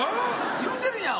言うてるやん。